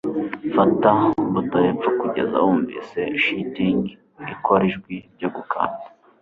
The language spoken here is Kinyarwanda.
Fata buto hepfo kugeza wunvise shitingi ikora ijwi ryo gukanda